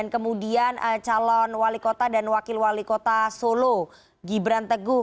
kemudian calon wali kota dan wakil wali kota solo gibran teguh